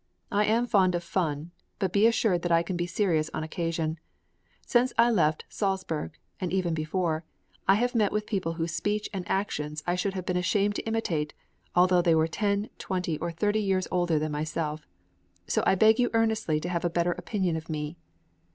I am fond of fun, but be assured that I can be serious on occasion. Since I left Salzburg (and even before) I have met with people whose speech and actions I should have been ashamed to imitate, although they were ten, twenty, or thirty years older than myself; so I beg you earnestly to have a better opinion of me.